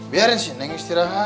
biarin sih neng istirahat